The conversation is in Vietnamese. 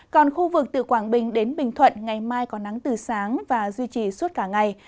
còn khu vực từ quảng bình đến bình thuận ngày mai có nắng từ sáng và duy trì suốt cả ngày